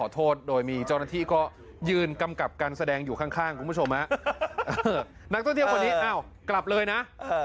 โทษนะโทษมาก